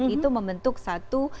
itu membentuk satu